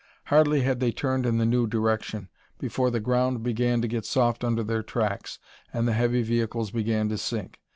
Hardly had they turned in the new direction before the ground began to get soft under their tracks and the heavy vehicles began to sink.